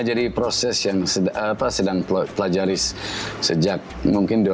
jadi proses yang sedang pelajari sejak mungkin dua ribu lima belas ya